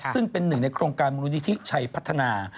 ซึ่งเป็นหนึ่งในโครงการมูลนิธิชัยพัฒนา